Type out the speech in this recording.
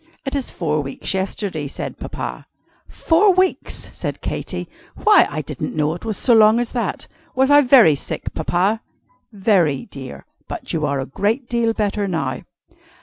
"It is four weeks yesterday," said Papa. "Four weeks!" said Katy. "Why, I didn't know it was so long as that. Was I very sick, Papa?" "Very, dear. But you are a great deal better now."